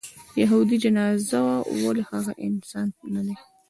یهودي جنازه وه ولې هغه انسان نه دی.